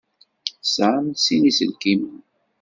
Tesɛamt sin iselkimen?